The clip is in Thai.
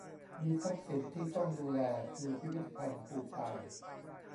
มีทรัพย์สินที่ต้องดูแลคือพิพิธภัณฑ์ภูพาน